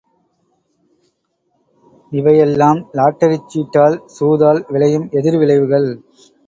இவையெல்லாம் லாட்டரிச் சீட்டால் சூதால் விளையும் எதிர் விளைவுகள்.